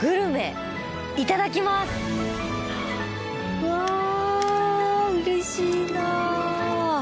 うわうれしいなぁ。